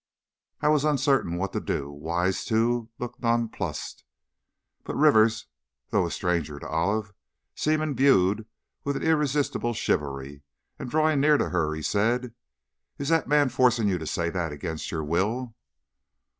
I was uncertain what to do; Wise, too, looked nonplussed, but Rivers, though a stranger to Olive, seemed imbued with an irresistible chivalry, and drawing nearer to her, he said: "Is that man forcing you to say that against your will?"